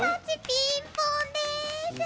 ピンポンです！